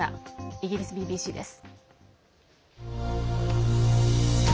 イギリスＢＢＣです。